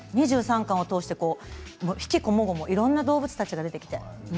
２３巻を通して悲喜こもごもいろんな動物たちが出てきて。